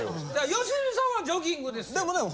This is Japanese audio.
良純さんはジョギングですよ。